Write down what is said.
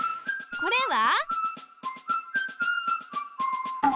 これは？